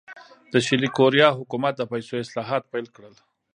د شلي کوریا حکومت د پیسو اصلاحات پیل کړل.